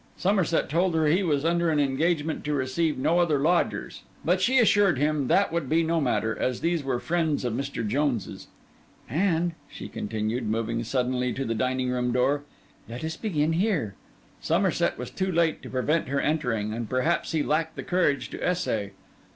Somerset told her he was under an engagement to receive no other lodgers; but she assured him that would be no matter, as these were friends of Mr. Jones's. 'And,' she continued, moving suddenly to the dining room door, 'let us begin here.' Somerset was too late to prevent her entering, and perhaps he lacked the courage to essay.